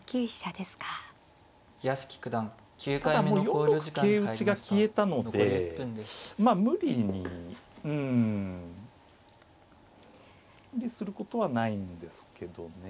ただもう４六桂打が消えたのでまあ無理にうん無理することはないんですけどね。